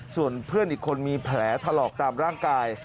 ส่วนเพื่อนอีกคนมีแผลถลอกตามร่างกาย